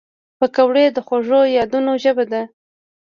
پکورې د خوږو یادونو ژبه ده